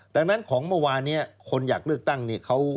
ดังนั้นของเมื่อวานนี้คนอยากเลือกตั้งเนี่ย